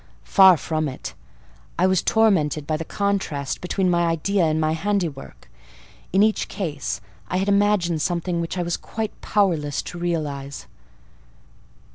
"Far from it. I was tormented by the contrast between my idea and my handiwork: in each case I had imagined something which I was quite powerless to realise."